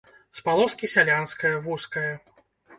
З палоскі сялянскае, вузкае.